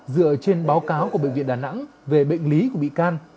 dựa trên báo cáo của bệnh viện đà nẵng về bệnh lý của bị can